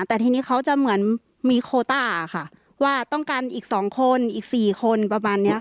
แต่ทีนี้เขาจะเหมือนมีโคต้าค่ะว่าต้องการอีก๒คนอีก๔คนประมาณนี้ค่ะ